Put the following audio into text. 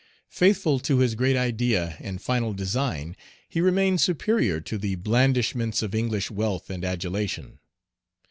Faithful to his great idea and final design, he remained superior to the blandishments of English wealth and adulation.